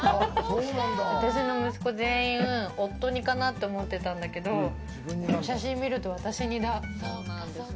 私の息子、全員、夫似かなって思ってたんだけどこの写真見ると私似だ。